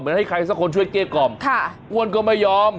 ให้ใครสักคนช่วยเกลี้ยกล่อมอ้วนก็ไม่ยอม